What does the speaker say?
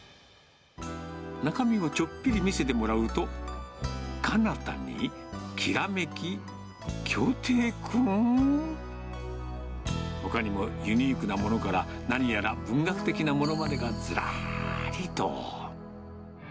中身をちょっぴり見せてもらうと、かなたに、きらめき、きょうていくん。ほかにもユニークなものから、何やら文学的なものまでが、ずらーりと。